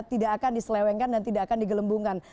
tidak akan diselewengkan dan tidak akan digelembungkan